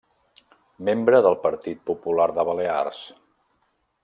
Membre del Partit Popular de Balears.